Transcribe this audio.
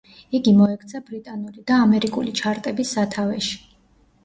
იგი მოექცა ბრიტანული და ამერიკული ჩარტების სათავეში.